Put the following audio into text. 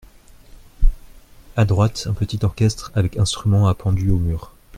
À droite, un petit orchestre avec instruments appendus au mur.